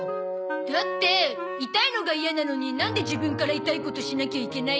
だって痛いのが嫌なのになんで自分から痛いことしなきゃいけないの？